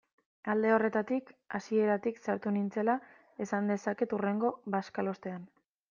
Alde horretatik, hasieratik sartu nintzela esan dezaket hurrengo bazkalostean.